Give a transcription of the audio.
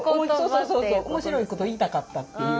面白いこと言いたかったっていう。